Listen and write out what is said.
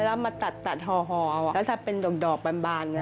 แล้วมาตัดห่อแล้วถ้าเป็นดอกบาน